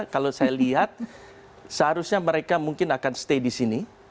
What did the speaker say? kalau saya lihat seharusnya mereka mungkin akan stay di sini